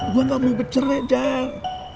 gue gak mau becerai jal